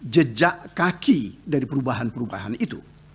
jejak kaki dari perubahan perubahan itu